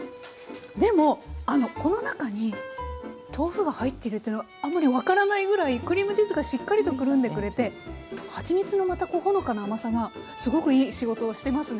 でもあのこの中に豆腐が入ってるというのがあんまり分からないぐらいクリームチーズがしっかりとくるんでくれてはちみつのまたほのかな甘さがすごくいい仕事をしてますね。